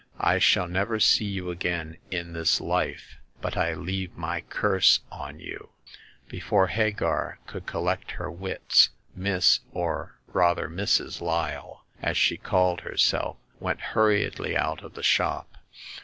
I shall never see you again in this life ; but I leave my curse on you !" Before Hagar could collect her wits, Miss — or rather Mrs.— Lyle, as she called herself, went hurriedly out of the shop.